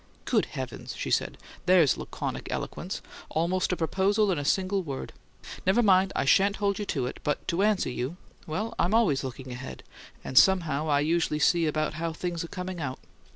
"Good heavens!" she said. "THERE'S laconic eloquence: almost a proposal in a single word! Never mind, I shan't hold you to it. But to answer you: well, I'm always looking ahead, and somehow I usually see about how things are coming out."